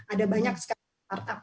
ada banyak startup